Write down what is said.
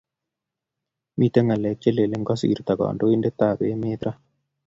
Miten ngalek che lele kosirto kandoitenab emet raa